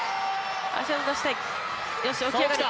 足を出したい。